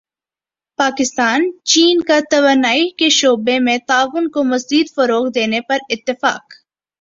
پاکستان چین کا توانائی کے شعبے میں تعاون کو مزید فروغ دینے پر اتفاق